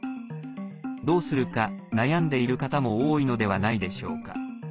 どうするか、悩んでいる方も多いのではないでしょうか。